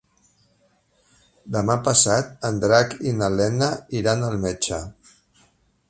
Demà passat en Drac i na Lena iran al metge.